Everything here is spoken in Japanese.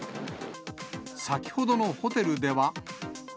先ほどのホテルでは。